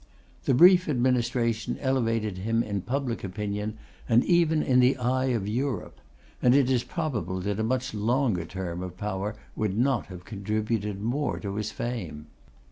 The brief administration elevated him in public opinion, and even in the eye of Europe; and it is probable that a much longer term of power would not have contributed more to his fame.